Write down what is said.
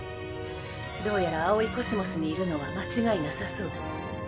どうやら葵宇宙にいるのは間違いなさそうだ。